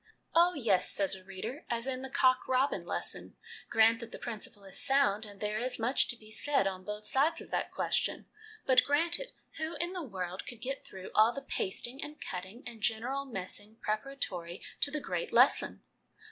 " Oh, yes," says a reader, " as in the ' Cock Robin ' lesson ; grant that the principle is sound and there is much to be said on both sides of that question but grant it, who in the world could get through all the pasting and cutting and general messing prepara tory to the great lesson